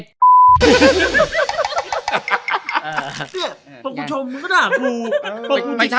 คุณผู้ชม